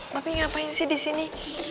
bapak ngapain sih di sini